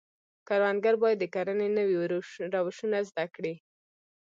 کروندګر باید د کرنې نوي روشونه زده کړي.